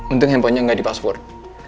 untung handphonenya gak di password